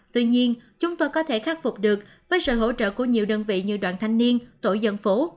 tuy nhiên chúng tôi có thể khắc phục được với sự hỗ trợ của nhiều đơn vị như đoàn thanh niên tổ dân phố